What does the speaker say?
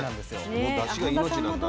そのだしが命なんだな。